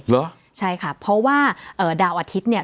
เหรอใช่ค่ะเพราะว่าดาวอาทิตย์เนี่ย